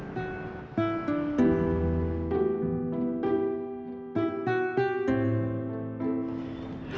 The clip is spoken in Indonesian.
kamu adalah istriku